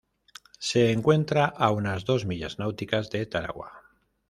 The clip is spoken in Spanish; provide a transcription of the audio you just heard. Se encuentra a unas dos millas náuticas de Tarawa.